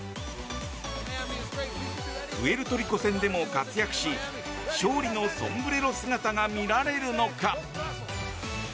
プエルトリコ戦でも活躍し勝利のソンブレロ姿が見られるのか。